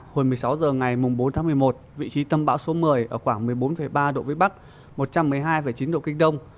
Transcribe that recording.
hồi một mươi sáu h ngày bốn tháng một mươi một vị trí tâm bão số một mươi ở khoảng một mươi bốn ba độ vĩ bắc một trăm một mươi hai chín độ kinh đông